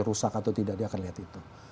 rusak atau tidak dia akan lihat itu